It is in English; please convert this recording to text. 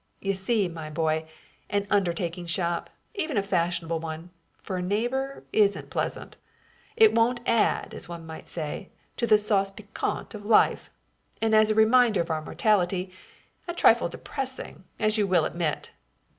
You see, my boy, an undertaking shop even a fashionable one for a neighbor, isn't pleasant; it wouldn't add, as one might say, to the sauce piquante of life; and as a reminder of our mortality a trifle depressing, as you will admit."